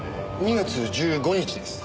２月１５日です。